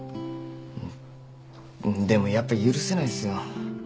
でもやっぱ許せないっすよ。